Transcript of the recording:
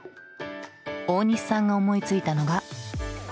大西さんが思いついたのが。